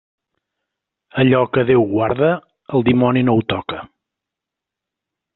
Allò que Déu guarda, el dimoni no ho toca.